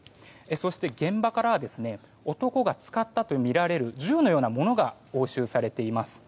そして、現場からは男が使ったとみられる銃のようなものが押収されています。